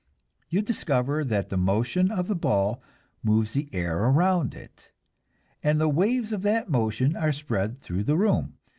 You discover that the motion of the ball moves the air around it, and the waves of that motion are spread through the room.